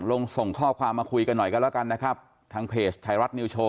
ส่งข้อความมาคุยกันหน่อยกันแล้วกันนะครับทางเพจไทยรัฐนิวโชว